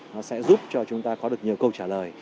nó sẽ giúp cho chúng ta có được nhiều câu trả lời